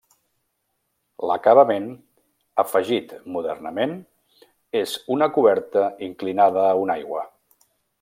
L'acabament, afegit modernament, és una coberta inclinada a una aigua.